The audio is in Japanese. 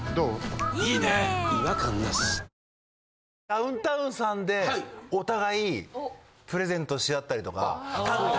ダウンタウンさんでお互いプレゼントし合ったりとか。